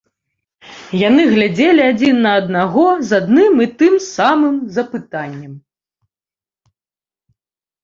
Яны глядзелі адзін на аднаго з адным і тым самым запытаннем.